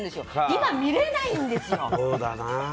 今、見れないんですよ。